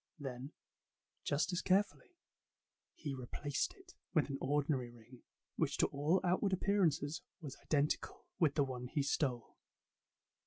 Then, just as carefully, he replaced it with an ordinary ring, which to all outward appearances was identical with the one he stole.